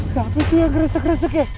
siapa tuh yang ngeresek resek ya